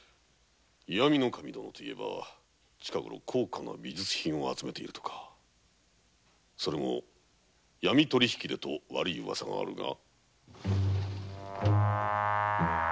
石見守様と言えば近ごろ高価な美術品を集めているとかそれもヤミ取り引きでと悪いウワサがあるが。